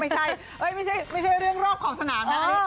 ไม่ใช่ไม่ใช่เรื่องรอบขอบสนามนะ